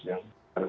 yang harus di